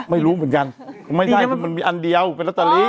ไม่รู้เหมือนกันไม่ได้มันมีอันเดียวเป็นอัตราลี